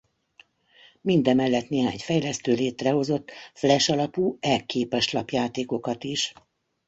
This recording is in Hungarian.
Mindemellett néhány fejlesztő létrehozott flash alapú e-képeslap játékokat is.